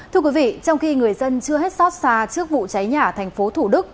thưa quý vị trong khi người dân chưa hết xót xa trước vụ cháy nhà ở thành phố thủ đức